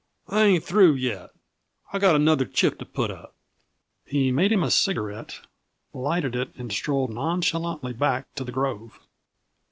"I ain't through yet I got another chip to put up." He made him a cigarette, lighted it and strolled nonchalantly back to the grove.